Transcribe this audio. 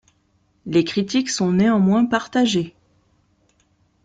Les critiques sont néanmoins partagées.